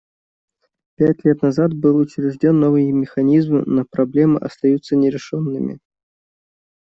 Пять лет назад был учрежден новый механизм, но проблемы остаются нерешенными.